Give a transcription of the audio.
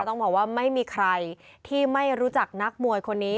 ต้องบอกว่าไม่มีใครที่ไม่รู้จักนักมวยคนนี้